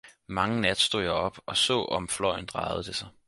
mangen nat stod jeg op og så om fløjen drejede sig.